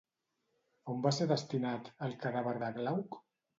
On va ser destinat, el cadàver de Glauc?